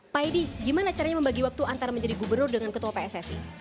pak edi gimana caranya membagi waktu antara menjadi gubernur dengan ketua pssi